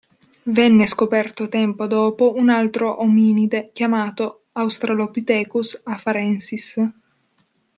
Venne scoperto tempo dopo un altro ominide chiamato Australopithecus Afarensis.